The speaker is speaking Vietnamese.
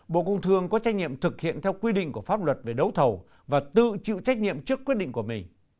bộ công thương có trách nhiệm thực hiện theo quy định của pháp luật về đấu thầu và tự chịu trách nhiệm trước quyết định của mình